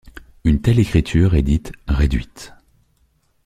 Une telle écriture est dite réduite.